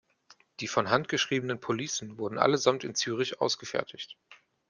Die von Hand geschriebenen Policen wurden allesamt in Zürich ausgefertigt.